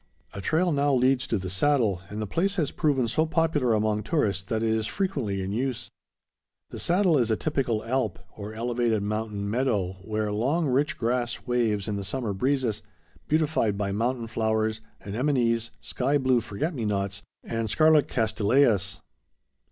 A trail now leads to the Saddle, and the place has proven so popular among tourists that it is frequently in use. The Saddle is a typical alp, or elevated mountain meadow, where long, rich grass waves in the summer breezes, beautified by mountain flowers, anemones, sky blue forget me nots, and scarlet castilleias.